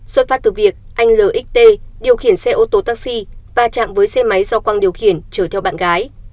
xuất phát từ việc anh lt điều khiển xe ô tô taxi và chạm với xe máy do quang điều khiển chở theo bạn gái